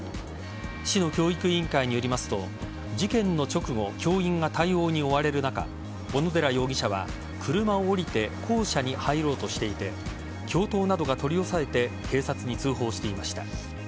市の教育委員会によりますと事件の直後教員が対応に追われる中小野寺容疑者は車を降りて校舎に入ろうとしていて教頭などが取り押さえて警察に通報していました。